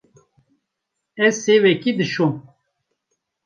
Ez sêvekê dişom.